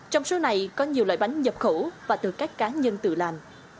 trong số này có nhiều loại bánh nhập khẩu và từ các cá nhân tự làm